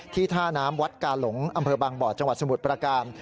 ท่าน้ำวัดกาหลงอำเภอบางบ่อจังหวัดสมุทรประการ